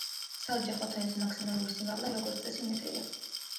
საოჯახო თონის მაქსიმალური სიმაღლე, როგორც წესი, მეტრია.